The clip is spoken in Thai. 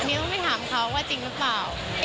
อันนี้ต้องไปถามเขาว่าจริงหรือเปล่า